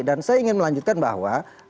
dan saya ingin melanjutkan bahwa